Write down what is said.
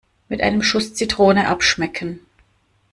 Mit einem Schuss Zitrone abschmecken.